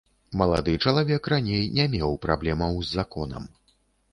Малады чалавек раней не меў праблемаў з законам.